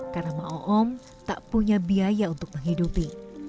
karena ma'oom tak punya biaya untuk menghidupi